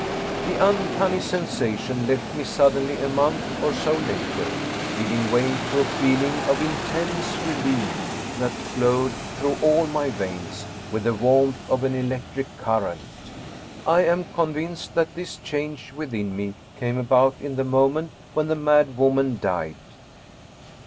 The un canny sensation left me suddenly a month or so later, giving way to a feeling of intense relief that flowed through all my veins with the warmth of an electric current. I am convinced that this change within me came about in the moment when the mad woman died.